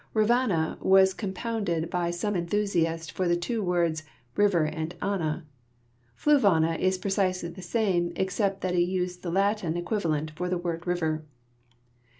Rivanna w'as compounded b}'' some enthusiast from the two words " river " and "Anna." Fluvanna is precisely the same, except that he used the Latin equivalent for the word river.